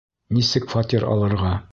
Нисек фатир алырға?